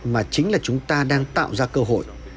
mà chính là chúng ta đang tạo ra cơ hội